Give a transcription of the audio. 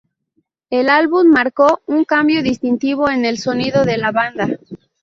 El álbum marcó un cambio distintivo en el sonido de la banda.